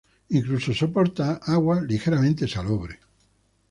Incluso soporta agua ligeramente salobre.